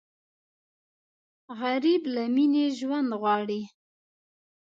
غریب له مینې ژوند غواړي